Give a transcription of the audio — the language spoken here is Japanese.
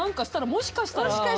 もしかしたらね。